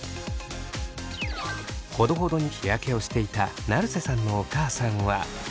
ほどほどに日焼けをしていた成瀬さんのお母さんは。